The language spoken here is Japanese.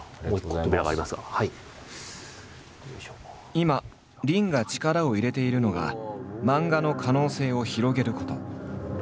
今林が力を入れているのが漫画の可能性を広げること。